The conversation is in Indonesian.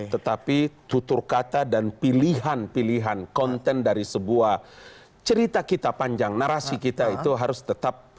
tetapi tutur kata dan pilihan pilihan konten dari sebuah cerita kita panjang narasi kita itu harus tetap